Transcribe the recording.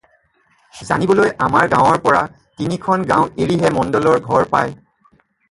জানিবলৈ আমাৰ গাৱঁৰ পৰা তিনিখন গাওঁ এৰিহে মণ্ডলৰ ঘৰ পায়।